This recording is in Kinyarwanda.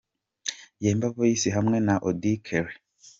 Yemba Voice hamwe na Auddy Kelly .